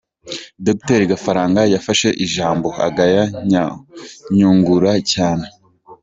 Docteur Gafaranga yafashe ijambo, agaya Nyungura cyane.